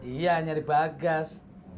iya nyari bagas